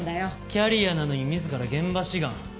キャリアなのに自ら現場志願。